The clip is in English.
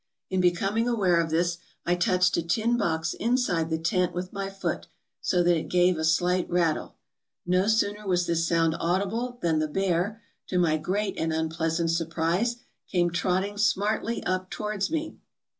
In becoming aware of this, I touched a tin box inside the tent with my foot, so that it gave a slight rattle. No sooner was this sound audible than the bear — to my great and unpleasant sur prise— came trotting smartly up towards me.